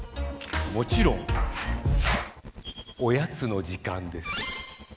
もちろんおやつの時間です。